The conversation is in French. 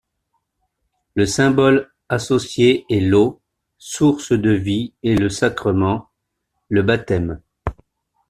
Le symbole associé est l'eau, source de vie et le sacrement, le baptême.